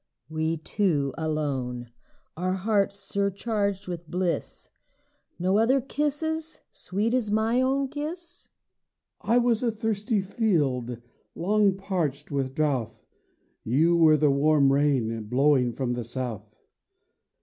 We two alone, our hearts surcharged with bliss, Nor other kisses, sweet as my own kiss? HUSBAND I was a thirsty field, long parched with drouth; You were the warm rain, blowing from the south.